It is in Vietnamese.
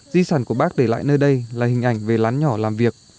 di sản của bác để lại nơi đây là hình ảnh về lán nhỏ làm việc